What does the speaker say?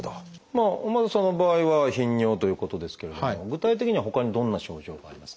尾又さんの場合は頻尿ということですけれども具体的にはほかにどんな症状がありますか？